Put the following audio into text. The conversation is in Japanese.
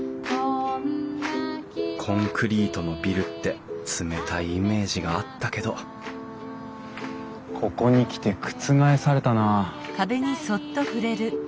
コンクリートのビルって冷たいイメージがあったけどここに来て覆されたな。